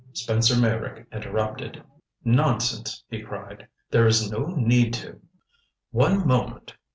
Spencer Meyrick interrupted. "Nonsense," he cried. "There is no need to " "One moment."